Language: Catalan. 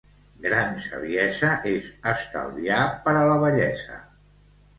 Gran saviesa és estalviar per a la vellesa.